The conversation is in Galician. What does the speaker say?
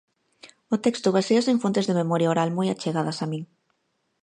O texto baséase en fontes de memoria oral moi achegadas a min.